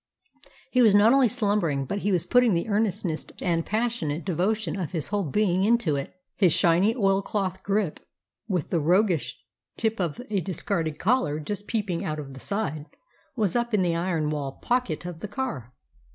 He was not only slumbering, but he was putting the earnestness and passionate devotion of his whole being into it. His shiny, oilcloth grip, with the roguish tip of a discarded collar just peeping out at the side, was up in the iron wall pocket of the car.